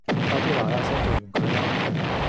快啲拿拿聲做完佢啦